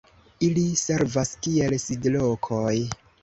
Ili servas kiel sidlokoj.